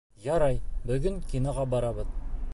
Ярай, бөгөн киноға барырбыҙ